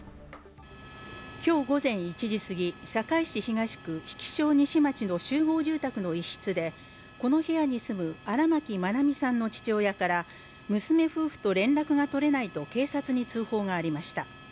今日午前１時すぎ堺市東区日置荘西町の集合住宅の一室でこの部屋に住む、荒牧愛美さんの父親から娘夫婦と連絡が取れないと警察に通報がありました。